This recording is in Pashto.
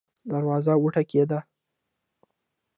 دروازه وټکیده